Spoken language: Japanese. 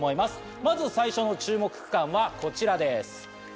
まず最初の注目区間はこちらです。